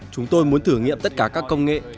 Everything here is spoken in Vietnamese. chúng tôi muốn thử nghiệm tất cả các công nghệ